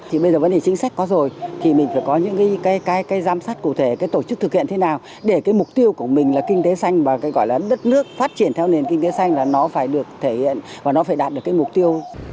thì bây giờ vấn đề chính sách có rồi thì mình phải có những cái giám sát cụ thể cái tổ chức thực hiện thế nào để cái mục tiêu của mình là kinh tế xanh và cái gọi là đất nước phát triển theo nền kinh tế xanh là nó phải được thể hiện và nó phải đạt được cái mục tiêu